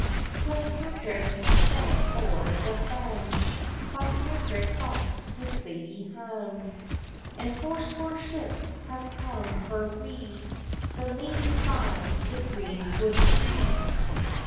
COSPATRICK has sent o'er the faem; Cospatrick brought his ladye hame; And fourscore ships have come her wi', The ladye by the green wood tree.